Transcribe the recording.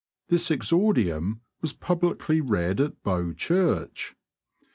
This exordium was publicly read at Bow Church.